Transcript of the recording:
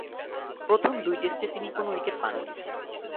প্রথম দুই টেস্টে তিনি কোন উইকেট পাননি।